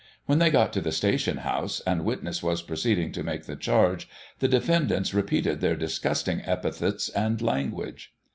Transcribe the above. When they got to the station house, and witness was proceeding to make the charge, the defendants repeated their disgusting epithets and language.